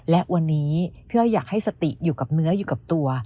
และวันนี้พี่อ้อยอยากให้สติอยู่กับเนื้ออยู่กับตัว